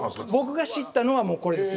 僕が知ったのはもうこれですね。